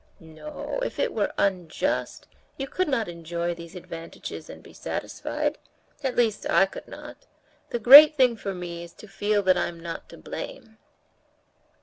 "No, if it were unjust, you could not enjoy these advantages and be satisfied—at least I could not. The great thing for me is to feel that I'm not to blame."